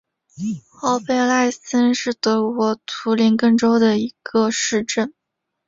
奥贝赖森是德国图林根州的一个市镇。